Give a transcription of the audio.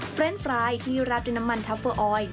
เรนด์ไฟล์ที่ราดด้วยน้ำมันทัพเฟอร์ออย